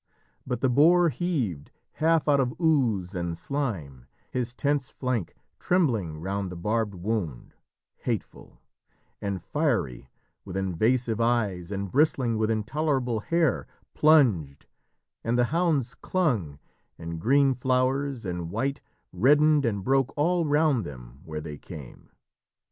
But the boar heaved half out of ooze and slime, His tense flank trembling round the barbed wound, Hateful; and fiery with invasive eyes And bristling with intolerable hair Plunged, and the hounds clung, and green flowers and white Reddened and broke all round them where they came.